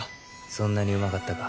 そんなにうまかったか？